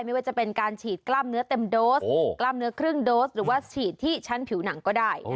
ไม่ว่าจะเป็นการฉีดกล้ามเนื้อเต็มโดสกล้ามเนื้อครึ่งโดสหรือว่าฉีดที่ชั้นผิวหนังก็ได้